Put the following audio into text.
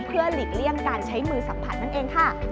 เพื่อหลีกเลี่ยงการใช้มือสัมผัสนั่นเองค่ะ